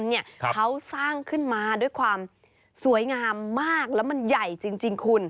เขาสร้างขึ้นมาด้วยความสวยงามมากแล้วมันใหญ่จริงคุณ